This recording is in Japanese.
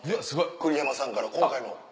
栗山さんから今回の。